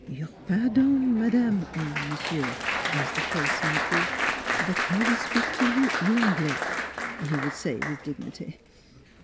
" Your pardon, Madame (or Monsieur)" as the case might be " but I will spik to you V Anglais," he would say with dignity.